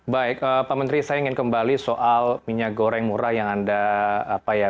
baik pak menteri saya ingin kembali soal minyak goreng murah yang anda apa ya